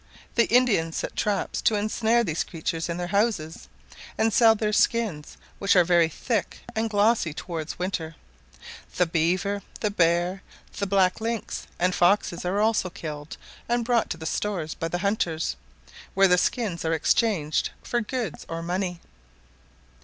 The Indians set traps to ensnare these creatures in their houses, and sell their skins, which are very thick and glossy towards winter. The beaver, the bear, the black lynx, and foxes are also killed, and brought to the stores by the hunters, where the skins are exchanged for goods or money.